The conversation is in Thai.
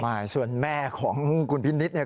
น่าส่วนแม่ของคุณพิษเนธเนี่ย